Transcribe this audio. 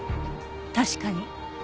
確かに。